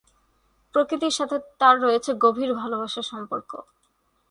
প্রকৃতির সাথে তার রয়েছে গভীর ভালোবাসার সম্পর্ক।